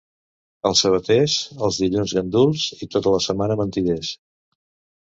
Els sabaters, els dilluns ganduls i tota la setmana mentiders.